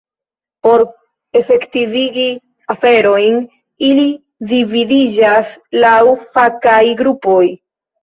Por efektivigi aferojn, ili dividiĝas laŭ fakaj grupoj.